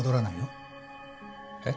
えっ？